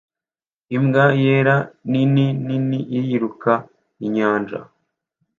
Imbwa yera nini nini iriruka inyanja